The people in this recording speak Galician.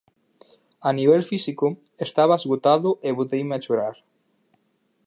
A nivel físico estaba esgotado e boteime a chorar.